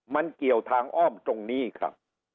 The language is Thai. มันเกี่ยวทางอ้อมตรงนี้ครับ